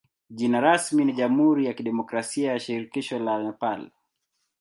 Jina rasmi ni jamhuri ya kidemokrasia ya shirikisho la Nepal.